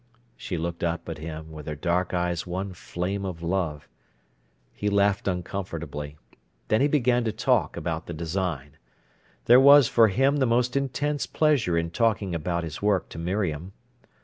She looked up at him, with her dark eyes one flame of love. He laughed uncomfortably. Then he began to talk about the design. There was for him the most intense pleasure in talking about his work to Miriam.